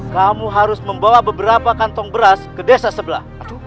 kamu harus membawa beberapa kantong beras ke desa sebelah